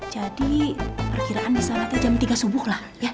jadi perkiraan bisa mati jam tiga subuh lah